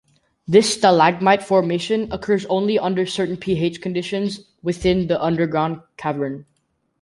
This stalagmite formation occurs only under certain pH conditions within the underground cavern.